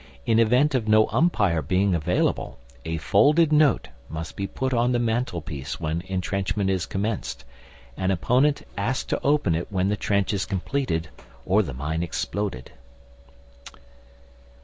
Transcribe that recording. In event of no umpire being available, a folded note must be put on the mantelpiece when entrenchment is commenced, and opponent asked to open it when the trench is completed or the mine exploded.